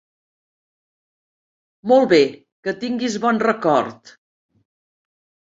Molt bé, que tinguis bon record!